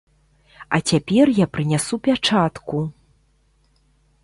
А цяпер я прынясу пячатку!